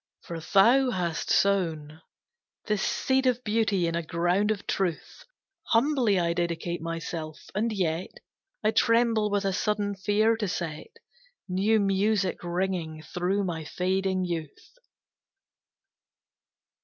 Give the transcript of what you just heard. For thou hast sown This seed of beauty in a ground of truth. Humbly I dedicate myself, and yet I tremble with a sudden fear to set New music ringing through my fading youth.